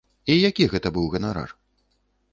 І які гэта быў ганарар?